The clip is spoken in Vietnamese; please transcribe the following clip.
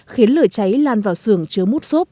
khiến lửa cháy lan vào xưởng chứa mút xốp